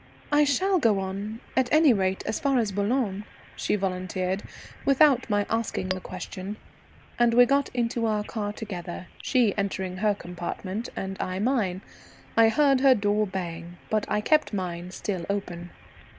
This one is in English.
"I shall go on, at any rate as far as Boulogne," she volunteered, without my asking the question; and we got into our car together, she entering her compartment and I mine. I heard her door bang, but I kept mine still open.